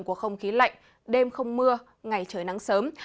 của không khí lạnh đêm không mưa ngày trời nắng sớm